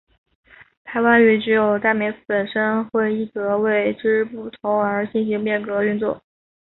排湾语只有代词本身会依格位之不同而进行变格运作。